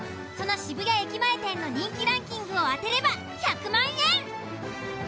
その渋谷駅前店の人気ランキングを当てれば１００万円！